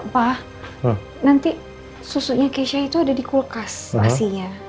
pak nanti susunya keisha itu ada di kulkas asinya